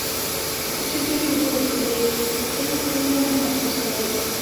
تل ډېري اوبه وڅېښئ، که څه هم تنده نه محسوسوئ